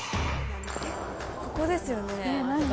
ここですよね？